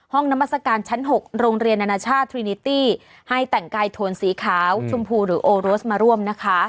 นามัศกาลชั้น๖โรงเรียนนานาชาติทรินิตี้ให้แต่งกายโทนสีขาวชมพูหรือโอโรสมาร่วมนะคะ